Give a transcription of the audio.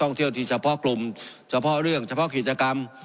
เที่ยวที่เฉพาะกลุ่มเฉพาะเรื่องเฉพาะกิจกรรม